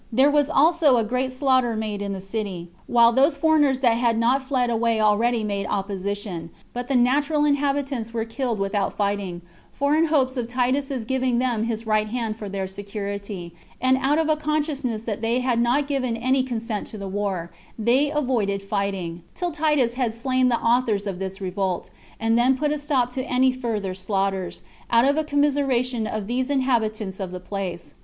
There was also a great slaughter made in the city, while those foreigners that had not fled away already made opposition; but the natural inhabitants were killed without fighting: for in hopes of Titus's giving them his right hand for their security, and out of a consciousness that they had not given any consent to the war, they avoided fighting, till Titus had slain the authors of this revolt, and then put a stop to any further slaughters, out of commiseration of these inhabitants of the place.